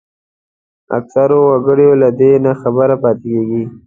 اکثره وګړي له دې ناخبره پاتېږي